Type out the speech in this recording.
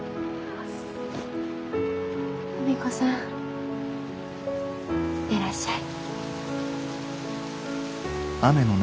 久美子さん行ってらっしゃい。